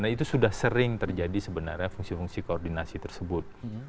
nah itu sudah sering terjadi sebenarnya fungsi fungsi koordinasi tersebut